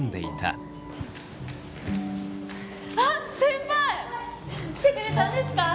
あっ先輩来てくれたんですか。